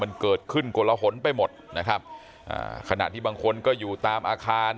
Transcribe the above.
มันเกิดขึ้นกลหนไปหมดนะครับอ่าขณะที่บางคนก็อยู่ตามอาคาร